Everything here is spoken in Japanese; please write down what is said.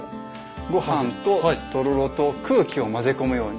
御飯ととろろと空気を混ぜ込むように。